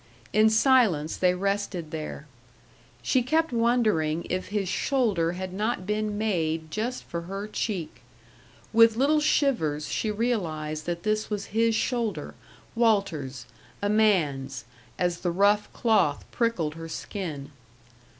In silence they rested there. She kept wondering if his shoulder had not been made just for her cheek. With little shivers she realized that this was his shoulder, Walter's, a man's, as the rough cloth prickled her skin.